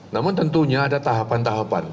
namun tentunya ada tahapan tahapan